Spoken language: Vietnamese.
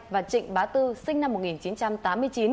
và trịnh bá tư sinh năm một nghìn chín trăm tám mươi chín